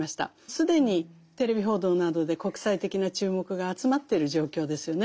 既にテレビ報道などで国際的な注目が集まってる状況ですよね。